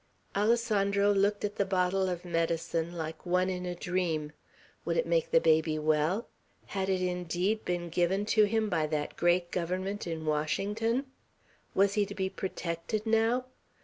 Alessandro looked at the bottle of medicine like one in a dream. Would it make the baby well? Had it indeed been given to him by that great Government in Washington? Was he to be protected now?